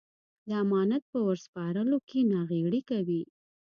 د امانت په ور سپارلو کې ناغېړي کوي.